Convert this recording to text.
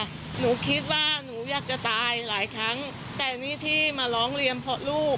หนูคิดว่าหนูอยากจะตายหลายครั้งแต่นี่ที่มาร้องเรียนเพราะลูก